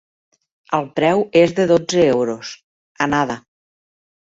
El preu és de dotze euros, anada.